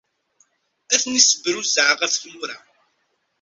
Ad ten-issebruzzeɛ ɣef tmura.